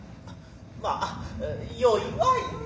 まあよいわいな。